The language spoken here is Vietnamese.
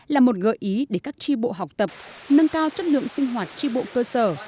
là một gợi ý để các tri bộ học tập nâng cao chất lượng sinh hoạt tri bộ cơ sở